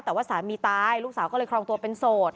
แต่ว่าสามีตายลูกสาวก็เลยครองตัวเป็นโสด